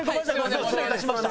失礼いたしました。